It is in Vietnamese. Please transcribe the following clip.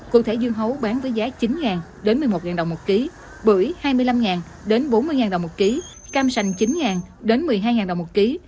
cụ thể dương hấu bán với giá chín một mươi một đồng một kg bưởi hai mươi năm bốn mươi đồng một kg cam sành chín một mươi hai đồng một kg